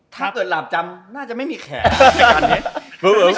ถ้าเกิดหลาบจำน่าจะไม่มีแขนไหม